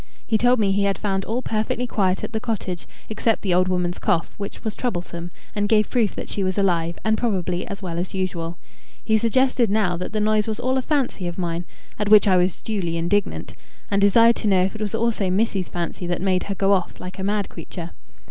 He told me he had found all perfectly quiet at the cottage, except the old woman's cough, which was troublesome, and gave proof that she was alive, and probably as well as usual. He suggested now that the noise was all a fancy of mine at which I was duly indignant, and desired to know if it was also Missy's fancy that made her go off like a mad creature.